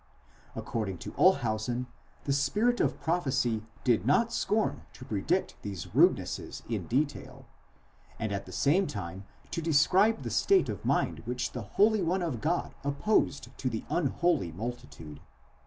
According to Olshausen, the spirit of prophecy did not scorn to pre dict these rudenesses in detail, and at the same time to describe the state of mind which the Holy One of God opposed to the unholy multitude.